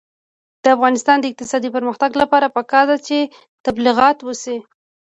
د افغانستان د اقتصادي پرمختګ لپاره پکار ده چې تبلیغات وشي.